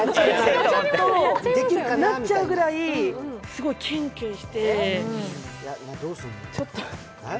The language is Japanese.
そうなっちゃうぐらい、すごいキュンキュンして。